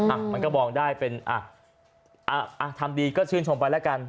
อ่ะมันก็มองได้เป็นอ่ะทำดีก็ชื่นชมไปแล้วกัน